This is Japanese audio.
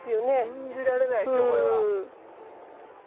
信じられないですよこれは。